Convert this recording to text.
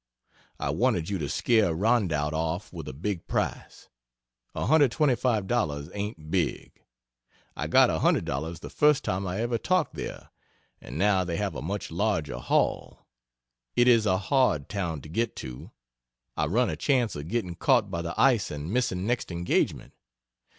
I wanted you to scare Rondout off with a big price. $125 ain't big. I got $100 the first time I ever talked there and now they have a much larger hall. It is a hard town to get to I run a chance of getting caught by the ice and missing next engagement.